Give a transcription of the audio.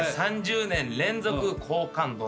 ３０年連続好感度